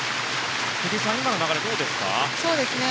藤井さん、今の流れはどうですか。